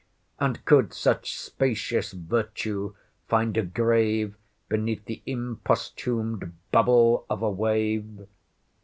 And could such spacious virtue find a grave Beneath the imposthumed bubble of a wave?